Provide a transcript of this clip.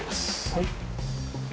・はい。